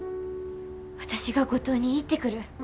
私が五島に行ってくる。